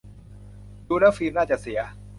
ดูแล้วฟิล์มน่าจะเสีย